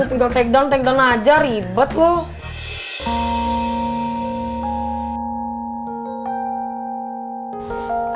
enggak takedown takedown aja ribet loh